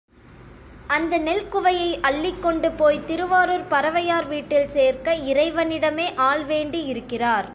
அந்த நெல் குவையை அள்ளிக் கொண்டு போய்த் திருவாரூர் பரவையார் வீட்டில் சேர்க்க இறைவனிடமே ஆள் வேண்டியிருக்கிறார்.